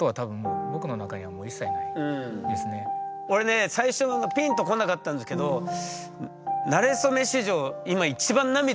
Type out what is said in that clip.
俺ね最初ピンとこなかったんですけど「なれそめ」史上今一番涙こらえてますからね。